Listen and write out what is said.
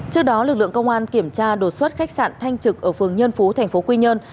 trước đó lực lượng công an kiểm tra đột xuất khách sạn thanh trực ở phường nhân phú tp quy nhơn